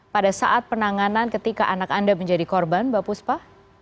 pada saat penanganan ketika anak anda menjadi korban mbak puspa